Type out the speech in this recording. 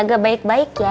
jaga baik baik ya